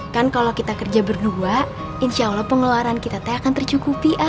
kan kalau kita kerja berdua insya allah pengeluaran kita teh akan tercukupi